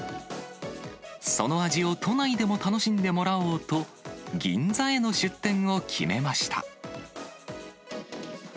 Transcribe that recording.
その味を都内でも楽しんでもらおうと、銀座への出店を決めました。